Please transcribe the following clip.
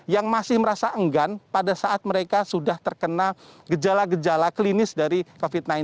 yang masih merasa enggan pada saat mereka sudah terkena gejala gejala klinis dari covid sembilan belas